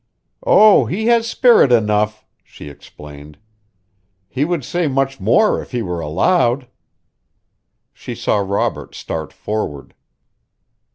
"Oh, he has spirit enough," she explained. "He would say much more if he were allowed." She saw Robert start forward.